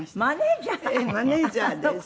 ええマネジャーです。